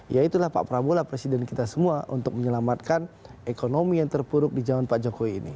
ya itulah pak prabowo lah presiden kita semua untuk menyelamatkan ekonomi yang terpuruk di zaman pak jokowi ini